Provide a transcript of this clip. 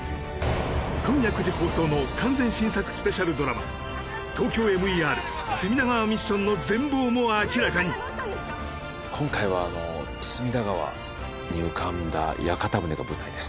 今夜９時放送の完全新作スペシャルドラマ「ＴＯＫＹＯＭＥＲ隅田川ミッション」の全貌も明らかに今回はが舞台です